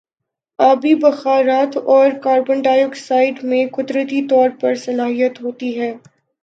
آبی بخارات اور کاربن ڈائی آکسائیڈ میں قدرتی طور پر صلاحیت ہوتی ہے